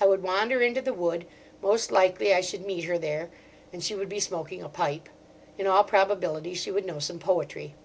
I would wander into the wood; most likely I should meet her there, and she would be smoking a pipe. In all probability she would know some poetry.